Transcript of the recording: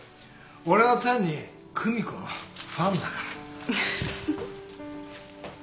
俺は単に久美子のファンだから。